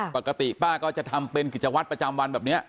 ปกติป้าก็จะทำเป็นกิจวัตรประจำวันแบบนี้